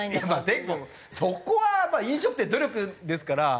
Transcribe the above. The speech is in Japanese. でもそこはまあ飲食店の努力ですから。